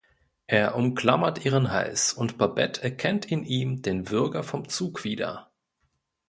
Er umklammert ihren Hals und Babette erkennt in ihm den Würger vom Zug wieder.